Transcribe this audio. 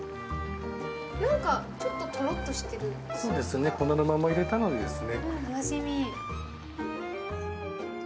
なんか、ちょっととろっとしてるそうですね、粉のまま入れたのですね。